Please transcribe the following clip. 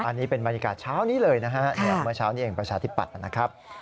อันนี้เป็นบรรยากาศเช้านี้เลยนะฮะเมื่อเช้านี้เองประชาธิปัตย์นะครับ